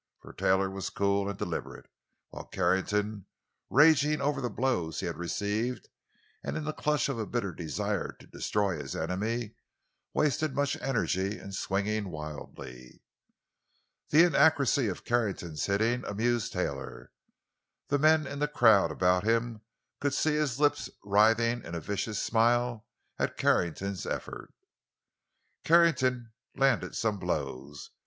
For Taylor was cool and deliberate, while Carrington, raging over the blows he had received, and in the clutch of a bitter desire to destroy his enemy, wasted much energy in swinging wildly. The inaccuracy of Carrington's hitting amused Taylor; the men in the crowd about him could see his lips writhing in a vicious smile at Carrington's efforts. Carrington landed some blows.